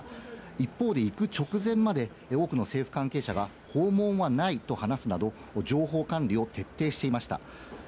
一方で行く直前まで多くの政府関係者が訪問はないと話すなど、情報管理を徹底していました。